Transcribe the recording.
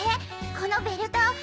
このベルト。